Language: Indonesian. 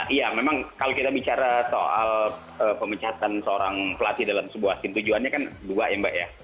iya memang kalau kita bicara soal pemecatan seorang pelatih dalam sebuah scene tujuannya kan dua ya mbak ya